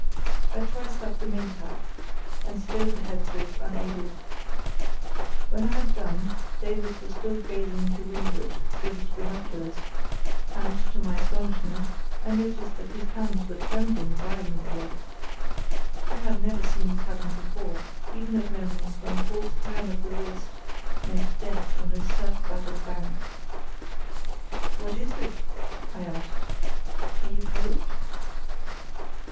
I triced up the main tack, and stowed the headsails unaided. When I had done Davies was still gazing to windward through his binoculars, and, to my astonishment, I noticed that his hands were trembling violently. I had never seen this happen before, even at moments when a false turn of the wrist meant death on a surf battered bank. "What is it?" I asked; "are you cold?"